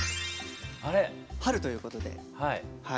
春ということで。